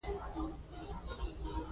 ورور ئې ګوره خور ئې غواړه